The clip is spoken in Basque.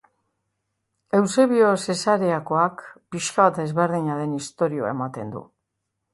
Eusebio Zesareakoak, pixka bat ezberdina den istorioa ematen du.